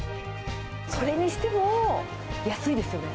それにしても、安いですよね。